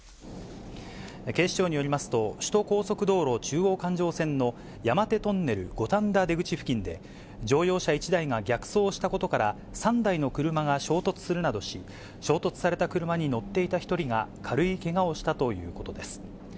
警視庁によりますと、首都高速道路中央環状線の山手トンネル五反田出口付近で、乗用車１台が逆送したことから、３台の車が衝突するなどし、衝突された車に乗っていた１人が軽いけがをしたということです。